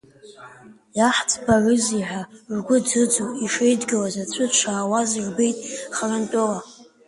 Иаҳӡбарызеи ҳәа ргәы ӡыӡо ишеидгылаз аӡәы дшаауаз рбеит харантәыла…